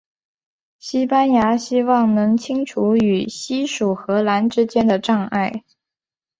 西班牙希望能清除与西属荷兰之间的障碍。